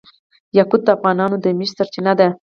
یاقوت د افغانانو د معیشت سرچینه ده.